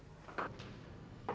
tentang apa yang terjadi